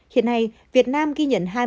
hiện nay việt nam ghi nhận hai mươi ca nhiễm